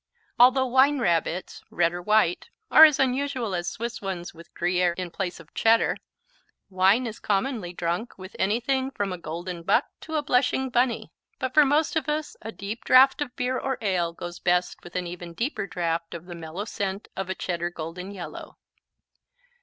Although wine Rabbits, red or white, are as unusual as Swiss ones with Gruyère in place of Cheddar, wine is commonly drunk with anything from a Golden Buck to a Blushing Bunny. But for most of us, a deep draught of beer or ale goes best with an even deeper draught of the mellow scent of a Cheddar golden yellow.